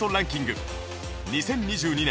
２０２２年